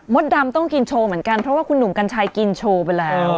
ดำต้องกินโชว์เหมือนกันเพราะว่าคุณหนุ่มกัญชัยกินโชว์ไปแล้ว